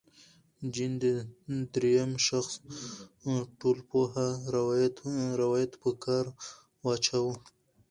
جین د درېیم شخص ټولپوه روایت په کار واچاوه.